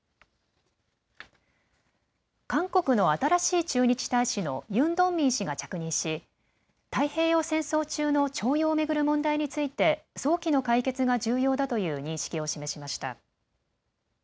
韓国の新しい駐日大使のユン・ドンミン氏が着任し太平洋戦争中の徴用を巡る問題について早期の解決が重要だという認識を示しました。